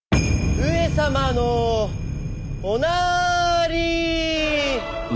・上様のおなーりー！